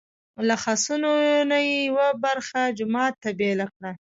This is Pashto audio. له خسو نه یې یوه برخه جومات ته بېله کړه.